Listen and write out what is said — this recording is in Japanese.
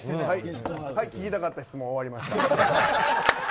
はい、聞きたかった質問終わりました。